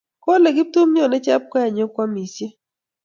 Kole Kiptum nyone Chepjoech nye kwamisyei.